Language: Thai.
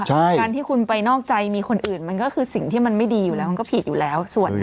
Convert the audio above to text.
การที่คุณไปนอกใจมีคนอื่นมันก็คือสิ่งที่มันไม่ดีอยู่แล้วมันก็ผิดอยู่แล้ว